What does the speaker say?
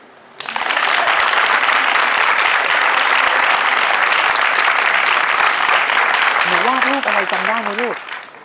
หรือว่ารูปอะไรจำได้ไหมลูก